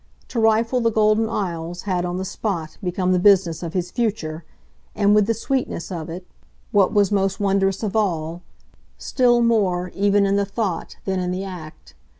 To rifle the Golden Isles had, on the spot, become the business of his future, and with the sweetness of it what was most wondrous of all still more even in the thought than in the act.